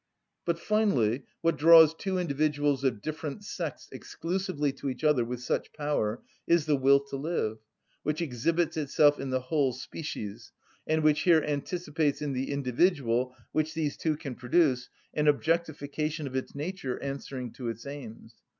But, finally, what draws two individuals of different sex exclusively to each other with such power is the will to live, which exhibits itself in the whole species, and which here anticipates in the individual which these two can produce an objectification of its nature answering to its aims.